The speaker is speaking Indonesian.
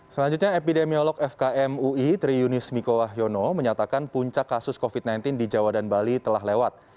selanjutnya epidemiolog fkm ui triyunis mikoahyono menyatakan puncak kasus covid sembilan belas di jawa dan bali telah lewat